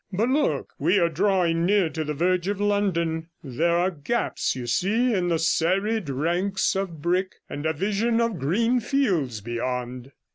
But, look, we are drawing near to the verge of London; there are gaps, you see, in the serried ranks of brick, and a vision of green fields beyond.'